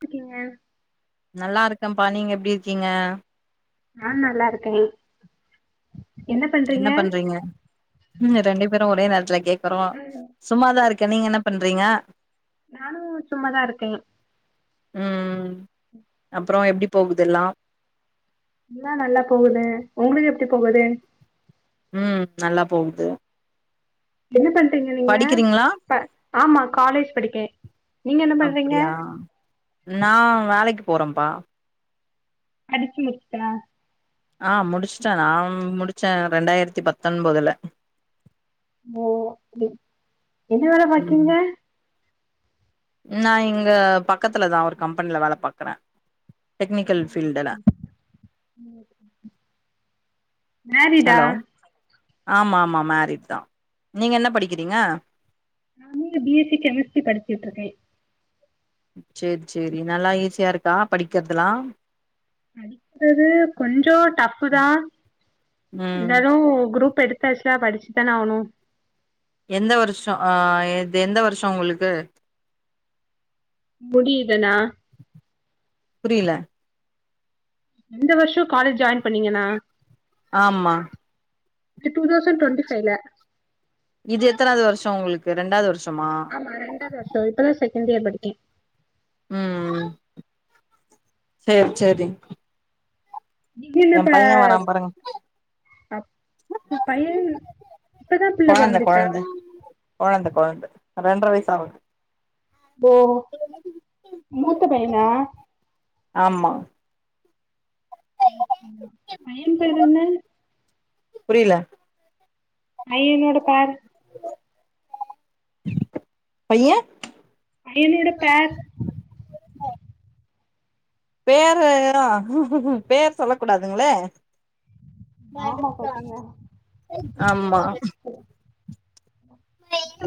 டிருக்கீங்க நல்லா இருக்கன்ப்பா நீங்க எப்டி இருக்கீங்க நா நல்லா இருக்கனே என்ன பண்றீங்க ம் ரெண்டு பேரு ஒரே நேரத்துல கேக்கறோ சும்மாதா இருக்க நீங்க என்ன பண்றீங்க நானு சும்மாதா இருக்கே ம் ம் அப்பறோ எப்டி போகுது எல்லா எல்லா நல்லா போகுது உங்களுக்கு எப்டி போகுது ம் நல்லா போவுது என்ன பண்றீங்க நீங்க படிக்கிறீங்களா ப ஆமா காலேஜ் படிக்கே நீங்க என்ன பண்றீங்க அப்டியா நா வேலைக்கு போறன்ப்பா படிச்சு முச்ட்டா ஆ முடிச்சுட்ட நா முடிச்சே ரெண்டாயிரத்தி பத்தொன்போதுல ஓ அப்டி என்ன வேல ம் பாக்கீங்க நா இங்க பக்கத்துல தா ஒரு கம்பெனில வேல பாக்குற டெக்னிக்கல் ஃபீல்டுல ம் ஹலோ ஆமா ஆமா மேரிட் தா நீங்க என்ன படிக்கிறீங்க Tamil B S C chemistry படிச்சிட்டுருக்கே சேரி சேரி நல்லா ஈஸியா இருக்கா படிக்கிறதுலா படிக்கிறது கொஞ்சோ டஃபுதா ம் இந்தாலு குரூப் எடுத் தாச்சுனா படிச்சு தான ஆவனு எந்த வருஷோ ஆ இது எந்த வருஷோ உங்களுக்கு முடியிதனா புரியில எந்த வருஷோ காலேஜ் ஜாயின் பண்ணீங்கன்னா ஆமா டூ தௌசண்டு டொண்ட்டிஃபைய்ல இது எத்தனாவது வருஷோ உங்களுக்கு ரெண்டாவது வருஷமா ஆமா ரெண்டாது வருஷோ இப்பதா செகண்டு இயர் படிக்கே ம் ம் சேரி சேரி திடீர்னு எ பைய வரா பாருங்க அப் பையன் இப்பதா புள்ள கொழந்த பொறந்துச்சா கொழந்த கொழந்த கொழந்த ரெண்ற வயசு ஆவுது ஓ மூத்த பையனா ஆமா [inaudible] பையன் பேர் என்ன புரியில பையனோட பேர் பைய பையனோட ப்லாக் பேரு எ உ பேர் சொல்ல கூடாதுங்களே ஆமா பாத்தீங்களா ஆமா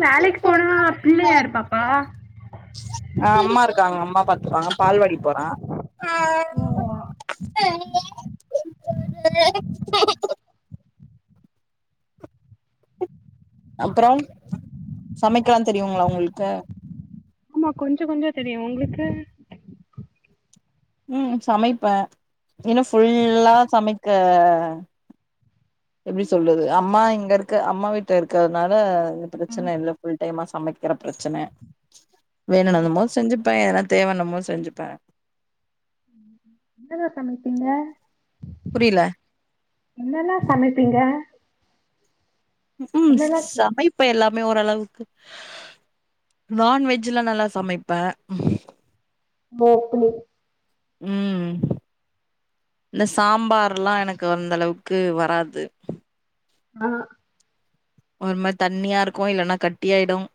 வேலைக்கு போனா பிள்ளை யார் பாப்பா ஆ அம்மா இருக்காங்க அம்மா பாத்துப்பாங்க பால்வாடி போறா அப்பறோ சமைக்கலா தெரியுங்களா உங்களுக்கு ஆமா கொஞ்சோ கொஞ்சோ தெரியு உங்களுக்கு ம் சமைப்பே இன்னும் ஃபுல்லா சமைக்க எப்டி சொல்லுது அம்மா இங்கே இருக் அம்மா வீட்ல இருக்கிறதுனால இந்த ப்ரச்சன இல்ல ஃபுல் டைமா சமக்கிற ப்ரச்சென வேணுனுமோ செஞ்சுப்பே ஏதனா தேவானமோ செஞ்சுப்பே என்னங்க சமைப்பீங்க புரியல என்னன சமைப்பீங்க ம் என்னலா சமைப் ப்பே எல்லாமே ஓரளவுக்கு நான்வெஜ்லாம் நல்லா சமைப்பே மோக்குனி ம் இந்த சாம்பார்ல்லா எனக்கு அந்த அளவுக்கு வராது ஆ ஒரு மாரி தண்ணியாருக்கும் இல்லன்னா கட்டியாயிடும்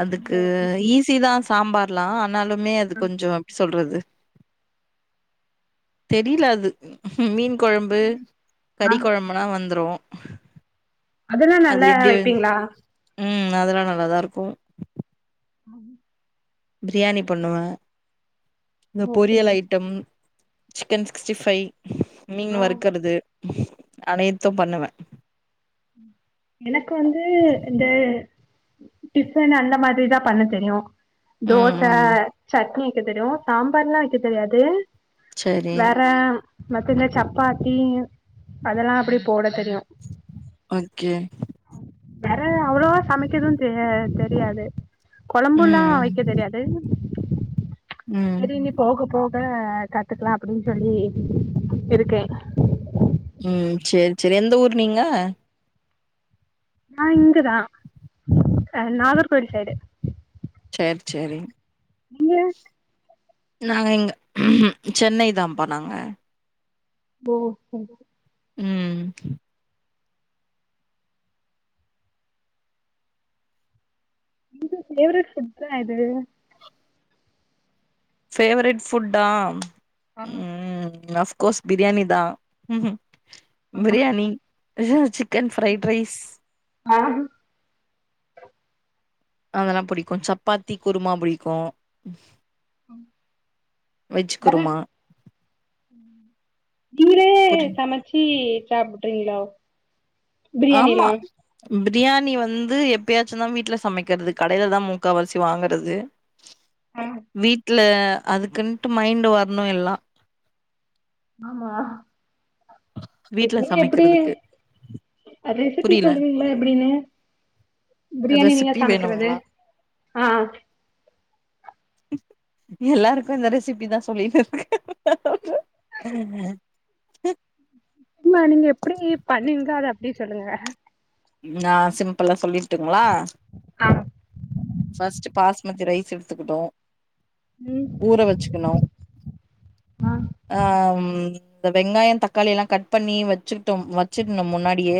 அதுக்கு ஈசி தான் சாம்பார்லாம் ஆனாலுமே அது கொஞ்சோ எப்டி சொல்றது தெரில அது மீன் கொழம்பு ஆ கறி கொழம்பு ம்னா வந்துரும் அதெல்லா அது நல்லா எப்டி வந்ச் வைப்பீங்களா உம் அதெல்லாம் நல்லாதாருக்கும் ப்ரியாணி பண்ணுவே இந்த ஓ அப்டி பொரியல் ஐட்டம் சிக்கன் சிக்ஸ்டி ஃபை மீன் ஆ வறுக்குறது அனைத்தும் பண்ணுவேன் எனக்கு வந்து ந்த டிஃபன் அந்த மாதிரி தான் பண்ண தெரியும் ம் தோச ம் சட்னி வெக்க தெரியு சாம்பார்ல்லா வெக்க தெரியாது சரி வேற மத்த இந்த சப்பாத்தி அதெல்லா அப்டி போட தெரியு ஓகே வேற அவ்வளவா சமக்கெனு தெரி தெரியாது கொழம்புல்லாம் ம் வை ம் தெரியாது ம் சரி இனி போக போக கத்துக்கலாம் அப்டின்னு சொல்லி இருக்கேன் ம் செர் செரி எந்த ஊர் நீங்க நா இங்கதா அ நாகர் கோவில் சைடு சேர சேரி நீங்க நாங்க இங்க சென்னை தான்ப்பா நாங்க ஓ சரி ம் இங்க ஃபேவரைட் ஃபுட்னா எது ஃபேவரெட் ஃபுட்டா ஆ ம் மஸ் கோர்ஸ் பிரியாணி தா ம் biryani grill chicken fried rice அ அதெல்லா புடிக்கும் சப்பாத்தி குருமா புடிக்கும் வெஜ் குருமா இவிளே [unintelligible] புரி மச்சி சாப்ட்ரீங்கலோ ஆமா பிரியாணி வந்து எப்பயாச்சுந்தா வீட்டுல சமைக்கிறது கடையிலதா முக்காவாசி வாங்கறது ஆ வீட்ல அதுக்குன்ட்டு மைண்டு வரணு எல்லா ஆமா வீட்ல நீ எப்புடி சமைக்கிறதுக்கு அ ரெசிபி புரியல சொல்வீங்களா எப்டின்னு பிரியாணி நீங்க ரெசிபி சமைக்கிறது வேணுங்களா ஆ எல்லாருக்கு இந்த ரெசிபிதா சொல்லிட்டு இருக்கே சும்மா நீங்க எப்புடி பண்ணுவீங்களோ அத அப்டியே சொல்லுங்க ந சிம்பிளா சொல்லிட்டுங்ளா ஆ ஃபஸ்டு பாஸ்மதி ரைஸ் எடுத்துக்கிட்டோ ம் ஊற வச்சுக்கணோ ஆ ஆ ம் இந்த வெங்காயோ தக்காளி எல்லா கட் பண்ணி வச்சுட்டோ வச்சுட்னோ முன்னாடியே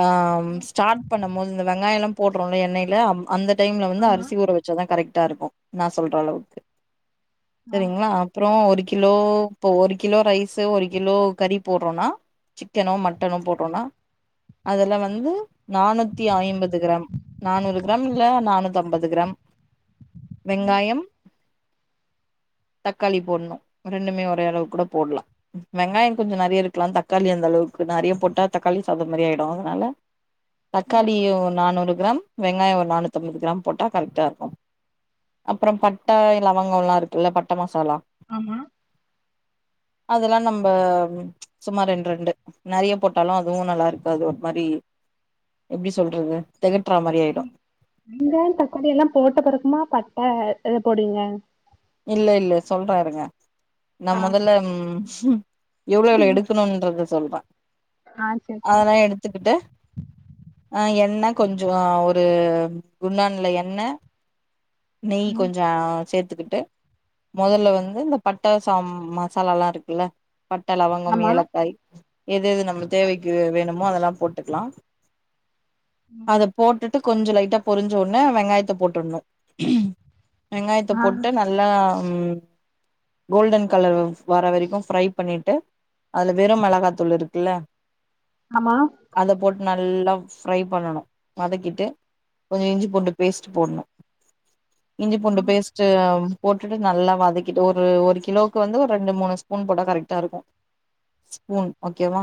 ஆம் ஸ்டார்ட் பண்ணம் போது இந்த வெங்காயோ எல்லா போடுறோல்லயா எண்ணெய்ல அம் அந்த டைம்ல வந்து ஆமா அரிசி ஊற வச் சாதா கரெக்டா இருக்கோ நா சொல்ற அளவுக்கு ஆ சரிங்ளா அப்புறோ ஒரு கிலோ இப்ப ஒரு கிலோ ரைஸு ஒரு கிலோ கறி போட்றோனா சிக்கனோ மட்டனோ போட்றோனா அதுல வந்து நானூத்தி ஐம்பது கிராம் நானூறு கிராம் இல்ல நானூத்தம்பது கிராம் வெங்காயம் தக்காளி போட்ணு ரெண்டுமே ஒரே அளவுக்கு கூட போட்லா வெங்காயோ கொஞ்ச நறைய இருக்கலாம் தக்காளி அந்த அளவுக்கு நறைய போட்டா தக்காளி சாதோ மாரி ஆயிடு னால தக்காளியு நானூறு கிராம் வெங்காயோ ஒரு நானூத்தம்பது கிராம் போட்டா கரெக்டா இருக்கோ அப்புறோ பட்ட இலவங்கோலா இருக் குல்ல பட்ட மசாலா ஆமா அதெல்லா நம்ப சும்மா ரெண் ரெண்டு நெறைய போட்டாலு அதுவு நல்லா இருக்காது மாரி எப்டி சொல்றது தெகட்ற மாரி ஆயிடு வெங்காயோ தக்காளி எல்லா போட்ட பிறகுமா பட்ட இத போடுவீங்க இல்ல இல்ல சொல்றே இருங்க நா ஆ மொதல்லம் எவ்ளோ எவ்ளோ எடுக்கணுன்றத சொல்றே ஆ சேரி சேரி அதெல்லா எடுத்துகிட்டு ஆ எண்ண கொஞ்சொ ஒரு குண்டான்ல எண்ண நெய் ம் கொஞ்சொ சேத்துக்கிட்டு மொதல்ல வந்து இந்த பட்ட சாம் மசாலால்லா இருக்குல்ல பட்ட இலவங்கம் ஆமா ஏலக்காய் எது எது நம்ளுக்கு தேவைக்கு வேணுமோ அதெல்லா போட்டுக்லா அத போட்டுட் டு கொஞ்சொ லைட்டா பொறிஞ்ச உனே வெங்காயத்த போட்டுட்ணு வெங்காயத்த ஆ போட்டு ந எல்லா ம் கோல்டன் கலர் வர வரைக்கு ஃப்ரை பண்ணிட்டு அதுல வெறு மெளகாத்தூள் இருக்குல்ல ஆமா அத போட்டு நல்லா ஃப்ரை பண்ணணு வதக்கிட்டு கொஞ்சோ இஞ்சி பூண்டு பேஸ்ட் போட்ணு இஞ்சி ஆ பூண்டு பேஸ்டு போட்டுட்டு நல்லா வதக்கிட்டு ஒரு ஒரு கிலோவுக்கு வந்து ஒரு ரெண்டு மூணு ஸ்பூன் போட்டா கரெக்ட்டா இருக்கோ ஸ்பூன் ஓகேவா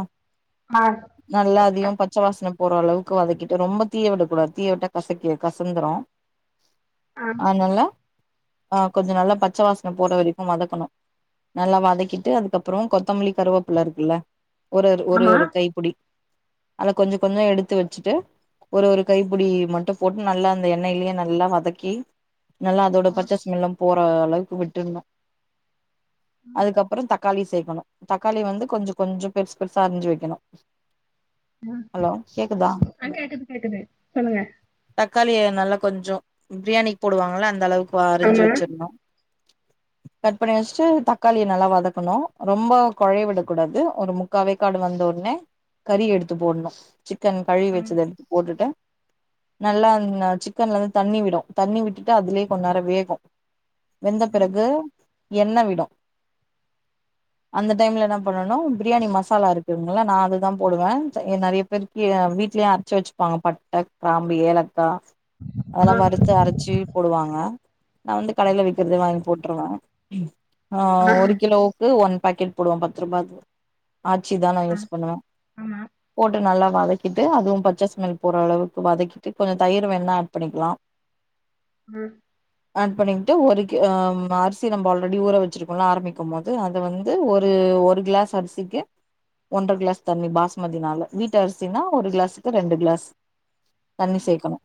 ஆ நல்லா அதயு பச்ச வாசனை போற அளவுக்கு வதக்கிட்டு ரொம்ப தீய விடக்கூடது தீய விட்டா கசக்கி கசந்துரும் ஆ அதனால ஆ கொஞ்சம் நல்லா பச்ச வாசனை போற வரைக்கும் வதக்கணும் நல்லா வதக்கிட்டு அதுக்கப்புறம் கொத்தமல்லி கருவேப்பிள்ள இருக்குல்ல ஒரு ஒரு ஆமா ஒரு கைப்பிடி அதை கொஞ்சம் கொஞ்சம் எடுத்து வச்சுட்டு ஒரு ஒரு கைப்பிடி மட்டும் போட்டு நல்லா அந்த எண்ணெய்லயே நல்லா வதக்கி நல்லா அதோட பச்ச ஸ்மெல்ல்லா போற அளவுக்கு விட்றனும் அதுக்கப்புறம் தக் காளி சேக்கணும் தக்காளி வந்து கொஞ்சம் கொஞ்சம் பெருசு பெருசா அரிஞ்சு வைக்கணும் ஹலோ கேக்குதா ஆ கேக்குது கேக்குது சொல்லுங்க தக்காளிய நல்லா கொஞ்சம் பிரியாணிக்கு போடுவாங்கள அந்த அளவுக்கு அரிஞ்சு ஆமா வச்சிரணும் கட் பண்ணி வச்சுட்டு தக்காளிய நல்லா வதக்கணும் ரொம்ப கொலைய விட கூடாது ஒரு முக்கா வேக்காடு வந்த உடனே கறி எடுத்து போடணும் சிக்கன் கழுவி ஆ வச்சது எடுத்து போட்டுட்டு நல்லா சிக்கன்ல இருந்து தண்ணி விடும் தண்ணி விட்டுட்டு அதுலயே கொஞ்ச நேரம் வேகும் வெந்த பிறகு எண்ண விடும் அந்த டைம்ல என்ன பண்ணனும் பிரியாணி மசாலா இருக்குதுங்கள நா அததான் போடுவேன் நிறைய பேரு வீட்லயே அரைச்சு வச்சுப்பாங்க பட்டை கிராம்பு ஏலக்காய் அதெல்லாம் வறுத்து அரைச்சு போடுவாங்க நா வந்து கடையில விக்கிறத வாங்கி போட்டுருவேன் ஆ ஒரு கிலோ ஒன் பேக்கெட் போடுவ பத்து ரூபா இது ஆச்சி தா நா யூஸ் பண்ணுவ ஆமா போட்டு நல்லா வதக்கி கிட்டு அதுவும் பச்ச ஸ்மெல் போற அளவுக்கு வதக்கிட்டு கொஞ்சம் தயிர் வேணுனா ஆட் பண்ணிக்கலாம் ம் ஆட் பண்ணிக்கிட்டு ஒரு கி அரிசி நம்ம ஆல்ரெடி ஊற வச்சிருக்கோல ஆரம்பிக்கும் போது அத வந்து ஒரு ஒரு கிளாஸ் அரிசிக்கு ஒன்ற கிளாஸ் தண்ணி பாஸ்மதி நால வீட்டு அரிசினா ஒரு கிளாஸுக்கு ரெண்டு கிளாஸ் தண்ணி சேக்கணும்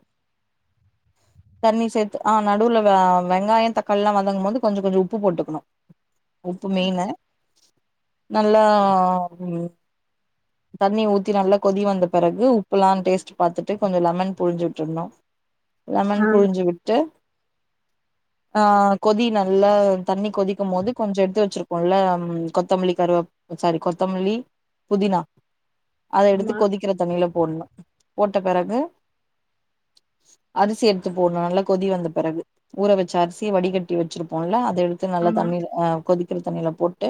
தண்ணி சேத்து ஆ நடுவுல வெங்காயம் தக்காளில்லாம் வதங்கும் போது கொஞ்சம் கொஞ்சம் உப்பு போட்டுக்கணும் உப்பு மெயினு நல்லா ம் தண்ணி ஊத்தி நல்லா கொதி வந்த பிறகு உப்பு எல்லாம் டேஸ்ட் பாத்துட்டு கொஞ்சம் லெமன் புளுஞ்சு விட்டுடணும் லெமன் ஆ புளிஞ்சு விட்டு ஆ கொதி நல்லா தண்ணி கொதிக்கும் போது கொஞ்சம் எடுத்து வச்சிருக் கோல கொத்தமல்லி கருவப் சாரி கொத்தமல்லி புதினா அத எடுத்து ஆமா கொதிக்கிற தண்ணியில போடணும் போட்ட பிறகு அரிசி எடுத்து போடணும் நல்லா கொதி வந்த பிறகு ஊற வச்ச அரிசி வடிகட்டி வச்சிருப்போம்ல அத எடுத்து நல்ல ஆமா தண்ணியில அ கொதிக்க கிற தண்ணியில போட்டு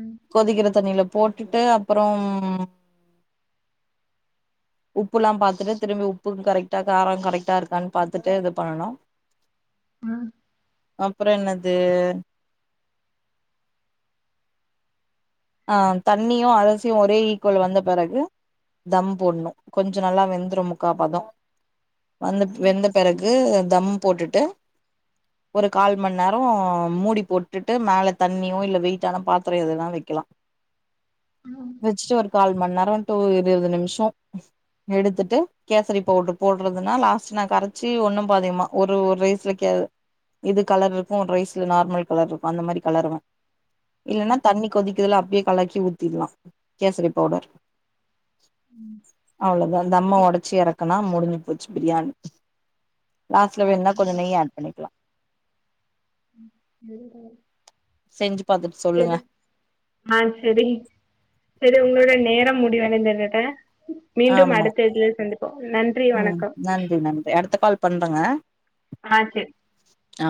ம் கொதிக்கிற தண்ணியில போட்டுட்டு அப்புறம் உப்பெல்லாம் பாத்துட்டு திரும்பி உப்பு கரெக்டா காரம் கரெக்டா இருக்கான்னு பாத்துட்டு பண்ணணும் அ அப்புறம் என்னது ஆ தண்ணியு அரிசியு ஒரே ஈக்குவள் வந்த பிறகு தம் போடணு கொஞ்சோ நல்லா வெந்துரு முக்கா பதோ வந்த வெந்த பிறகு தம் போட்டுட்டு ஒரு கால் மண் நேரோ மூடி போட்டுட்டு மேலே தண்ணியோ இல்ல வெயிட்டான பாத்ரோ எதுனா வைக்கலா வச்சுட்டு ஒரு கால் மண் நேரோ டூ இருவது நிம்ஷோ எடுத்துட்டு கேசரி பவுடர் போடுறதுனா லாஸ்ட் நா கரைச்சி ஒண்ணு பாதியுமா ஒரு ஒரு ரைஸ் சலிக்காது இது கலர் இருக்கு ரைஸ்ல நார்மல் கலர் இருக்கு அந்த மாரி கலருதா இல்லனா தண்ணி கொதிக் குதுல அப்படியே கலாக்கி ஊத்திடலா கேசரி பவுடர் அவ்ளோதா தம்ம உடைச்சி இறக்குனா முடிஞ்சு போச்சு பிரியாணி லாஸ்ட்ல வேணும்னா கொஞ்சோ நெய்ய ஆட் பண்ணிகலா ம் ஏழ்ற செஞ்சு பாத்துட்டு சொல்லுங்க ஆ சேரி சேரி உங்களோட நேரம் முடிவடைந்ததுக்கா மீண்டும் ஆமா அடுத்த இ்தல சந்திப்போ நன்றி ம் வணக்கம் நன்றி அடுத்த கால் பண்றங்க ஆ சேரி ஆ